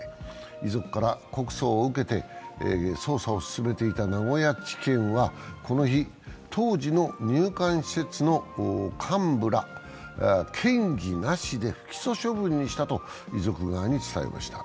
遺族からの告訴を受けて捜査を進めていた名古屋地検はこの日、当時の入管施設の幹部らを嫌疑なしで不起訴処分にしたと遺族側に伝えました。